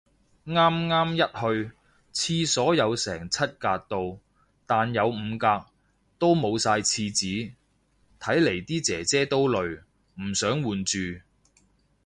啱啱一去，廁所有成七格到。但有五格，都冇晒廁紙，睇嚟啲姐姐都累，唔想換住